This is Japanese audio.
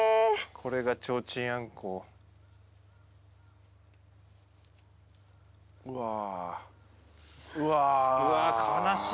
「これがちょーちんあんこー」